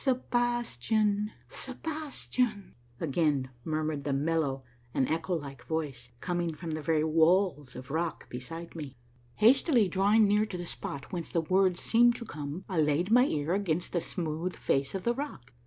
" Sebastian ! Sebastian !" again murmured the mellow and echo like voice, coming from the very walls of rock beside me. Hastily drawing near to the spot whence the words seemed to come, I laid my ear against the smooth face of the rock.